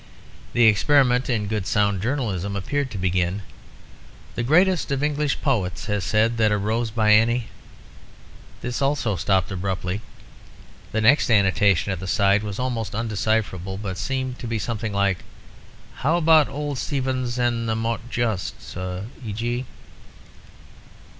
The experiment in good sound journalism appeared to begin "The greatest of English poets has said that a rose by any ..." This also stopped abruptly. The next annotation at the side was almost undecipherable, but seemed to be something like "How about old Steevens and the mot juste? E.g...."